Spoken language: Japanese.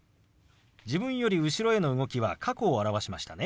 自分より後ろへの動きは過去を表しましたね。